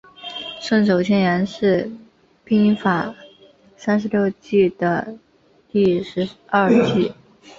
顺手牵羊是兵法三十六计的第十二计。